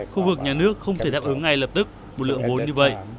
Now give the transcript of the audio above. khu vực nhà nước không thể đáp ứng ngay lập tức một lượng vốn như vậy